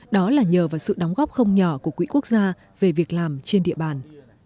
đó là nhờ vào sự đóng góp không nhỏ của quỹ quốc gia về việc làm trên địa bàn